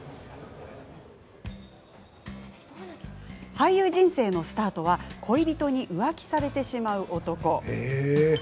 俳優人生のスタートは恋人に浮気されてしまう男。